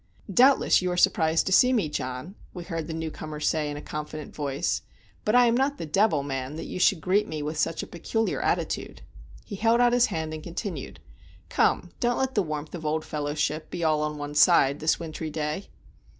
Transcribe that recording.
"Doubtless you are surprised to see me, John," we heard the new comer say, in a confident voice, "but I am not the devil, man, that you should greet me with such a peculiar attitude." He held out his hand, and continued, "Come, don't let the warmth of old fellowship be all on one side, this wintry day."